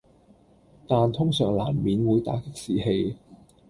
但通常難免會打擊士氣